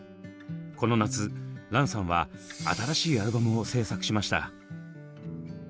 この夏蘭さんは新しいアルバムを制作しました。